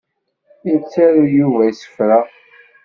Yettaru Yuba isefra.